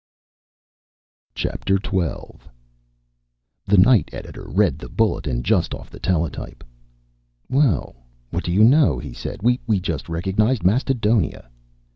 XII The night editor read the bulletin just off the teletype. "Well, what do you know!" he said. "We just recognized Mastodonia."